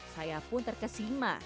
saya pun terkesima